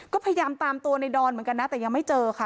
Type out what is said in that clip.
ก็พยายามตามตัวในดอนเหมือนกันนะแต่ยังไม่เจอค่ะ